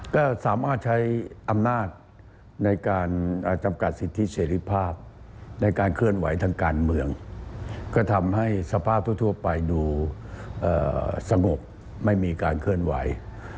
ก็สามารถใช้อำนาจในการจำกัดสิทธิเสรีภาพในการเคลื่อนไหวทางการเมืองก็ทำให้สภาพทั่วไปดูสงบไม่มีการเคลื่อนไหว